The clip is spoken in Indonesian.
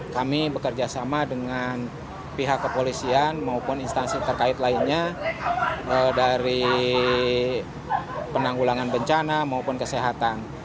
kami bekerjasama dengan pihak kepolisian maupun instansi terkait lainnya dari penanggulangan bencana maupun kesehatan